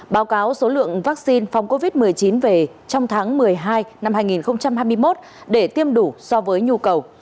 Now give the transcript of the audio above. báo cáo số lượng vaccine phòng covid một mươi chín về trong tháng một mươi hai năm hai nghìn hai mươi một để tiêm đủ so với nhu cầu